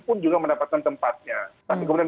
pun juga mendapatkan tempatnya tapi kemudian